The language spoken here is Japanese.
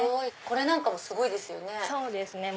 これなんかもすごいですよね。